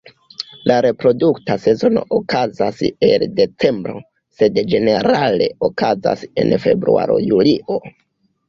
La reprodukta sezono okazas el decembro, sed ĝenerale okazas en februaro-julio.